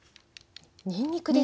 にんにくですね。